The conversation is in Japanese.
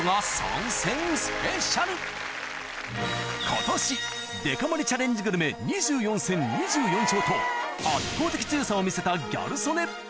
今年デカ盛りチャレンジグルメ２４戦２４勝と圧倒的強さを見せたギャル曽根